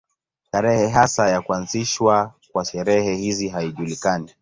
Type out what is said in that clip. Tarehe hasa ya kuanzishwa kwa sherehe hizi haijulikani.